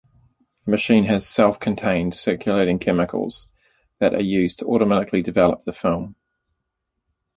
The machine has self-contained circulating chemicals that are used to automatically develop the film.